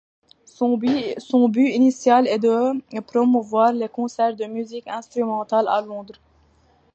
Son but initial est de promouvoir les concerts de musique instrumentale à Londres.